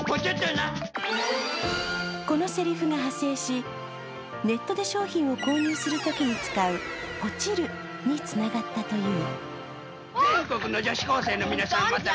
このせりふが派生し、ネットで商品を購入するときに使うポチるにつながったという。